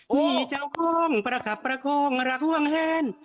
มีเจ้าโค้งพระขับพระโค้งรักห่วงแฮน